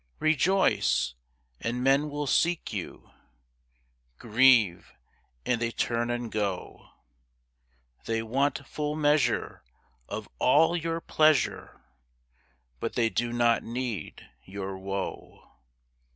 Rejoice, and men will seek you; Grieve, and they turn and go; They want full measure of all your pleasure, But they do not need your woe.